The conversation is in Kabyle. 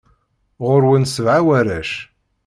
Ɣur-wen sebɛa warrac.